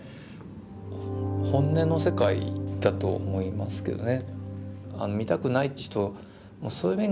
本音の世界だと思いますけどね。